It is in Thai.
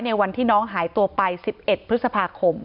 วันที่น้องหายตัวไป๑๑พฤษภาคม